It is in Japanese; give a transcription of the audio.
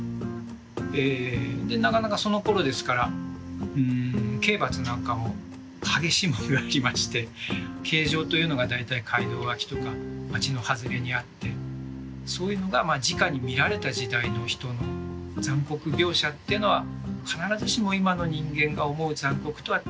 でなかなかそのころですから刑罰なんかも激しいものがありまして刑場というのが大体街道脇とか町の外れにあってそういうのがじかに見られた時代の人の残酷描写っていうのは必ずしも今の人間が思う残酷とはちょっと違う。